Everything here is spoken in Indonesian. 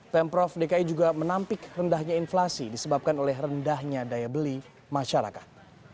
pemprov dki juga menampik rendahnya inflasi disebabkan oleh rendahnya daya beli masyarakat